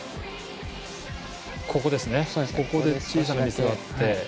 ここで小さなミスがあって。